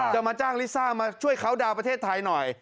จะมาจ้างลิซ่ามาช่วยเขาดาวน์ประเทศไทยหน่อย